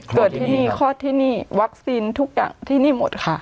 เกิดที่นี่คลอดที่นี่วัคซีนทุกอย่างที่นี่หมดค่ะ